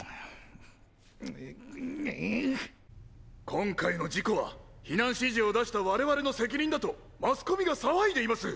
今回の事故は避難指示を出した我々の責任だとマスコミが騒いでいます。